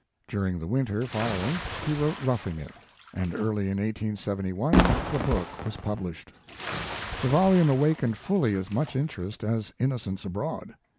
During the winter following he wrote "Roughing It," and early in 1871, the book was published. The volume awakened fully as much interest as "In nocents Abroad."